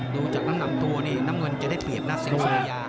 ดูจากน้ำตัวนี่น้ำเงินจะได้เปียบนะสิงห์สุเรีย